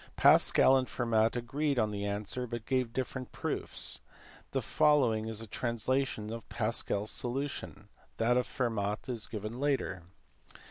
Pascal and Fermat agreed on the answer, but gave different proofs. The following is a translation of Pascal s solution. That of Fermat is given later.